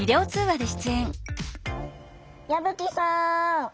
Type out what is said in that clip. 矢吹さん。